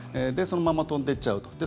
そのまま飛んでいっちゃうと。